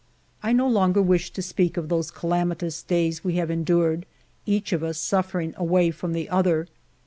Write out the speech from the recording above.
1 no longer wish to speak of those calamitous days we have endured, each of us suffering away from the other.